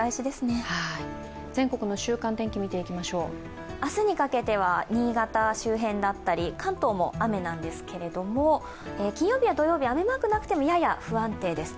全国の週間天気、見ていきましょう明日にかけては新潟周辺だったり、関東は雨なんですけれども金曜日や土曜日、雨マークがなくても、やや不安定です。